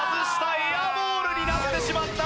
エアボールになってしまった！